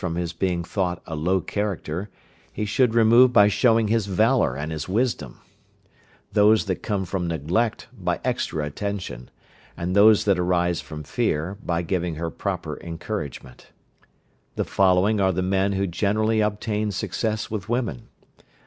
The difficulties that arise from his being thought a low character he should remove by showing his valour and his wisdom; those that come from neglect by extra attention; and those that arise from fear by giving her proper encouragement. The following are the men who generally obtain success with women.